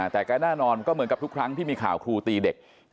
แต่ก็แน่นอนก็เหมือนกับทุกครั้งที่มีข่าวครูตีเด็ก